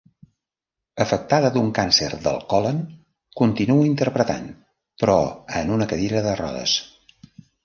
Afectada d'un càncer del còlon, continua interpretant però en una cadira de rodes.